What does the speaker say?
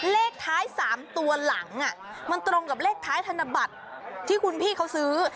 เลขท้าย๓ตัวหลังมันตรงกับเลขท้ายธนบัตรที่คุณพี่เขาซื้อ